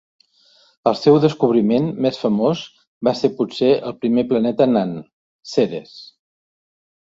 El seu descobriment més famós va ser potser el primer planeta nan, Ceres.